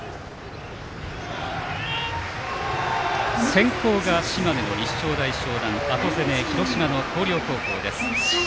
先攻が島根の立正大淞南後攻め、広島の広陵高校です。